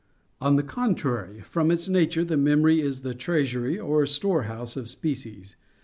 On the contrary, From its nature the memory is the treasury or storehouse of species.